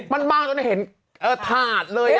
มันบางจนเห็นถาดเลย